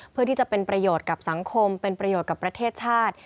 เพื่อที่จะเป็นประโยชน์กับสังคมเป็นประโยชน์กับประเทศชาติ